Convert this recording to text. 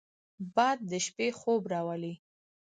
باد د شپې خوب راولي